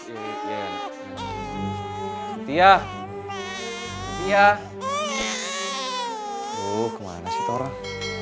ini dulu tiladat ikam